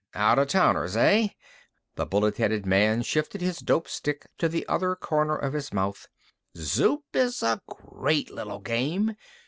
"Out of towners, hey?" The bullet headed man shifted his dope stick to the other corner of his mouth. "Zoop is a great little game.